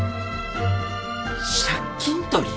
借金取り！？